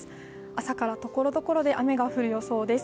朝からところどころで雨が降る予想です。